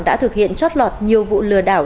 đã thực hiện chót lọt nhiều vụ lừa đảo